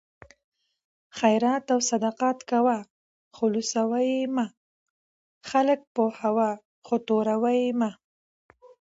خیرات او صدقات کوه خو لوڅوه یې مه؛ خلک پوهوه خو توروه یې مه